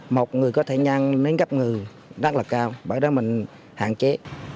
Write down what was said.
một người có thể nhăn đến gấp người rất là cao bởi đó mình hạn chế